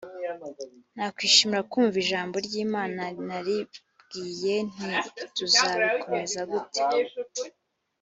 nakwishimira kumva ijambo ry imana naribwiye nti tuzabikomeza gute